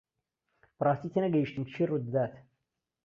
بەڕاستی تێنەگەیشتم چی ڕوودەدات.